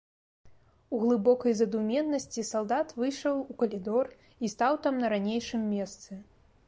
У глыбокай задуменнасці салдат выйшаў у калідор і стаў там на ранейшым месцы.